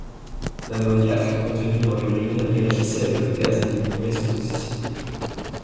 L'ammoniac contenu dans l'urine réagissait avec le gaz et diminuait sa toxicité.